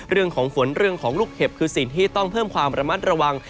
เรื่องของฝนเรื่องของลูกเห็บคือสิ่งที่ต้องเพิ่มความระมัดระวัง